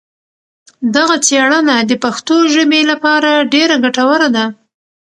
دغه څېړنه د پښتو ژبې لپاره ډېره ګټوره ده.